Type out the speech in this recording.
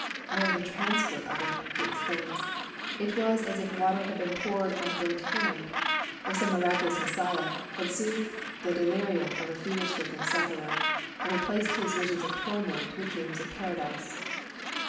'Oh, the transport of it!' he exclaims. 'It was as if water had been poured on a burnt hand, or some miraculous Messiah had soothed the delirium of a fever stricken sufferer, and replaced his visions of torment with dreams of Paradise.'